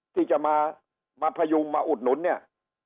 ที่จะมาพยุงมาอุดหนุนเนี่ย